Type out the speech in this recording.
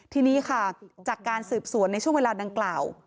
ทีนี้ค่ะจากการสืบสวนในช่วงเวลาดังกล่าว